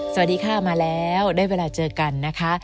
สวัสดีค่ะมาแล้วได้เวลาเจอกันนะคะ